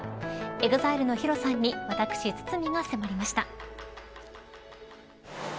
ＥＸＩＬＥのＨＩＲＯさんに私、堤が迫りました。